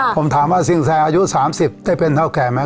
ผมถามว่าสินแซอายุ๓๐ได้เป็นเท่าแก่ไหม